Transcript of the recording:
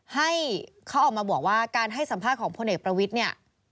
ให้เขาออกมาบอกว่าการให้สัมภาษณ์ของพลเอกประวิทย์เนี่ย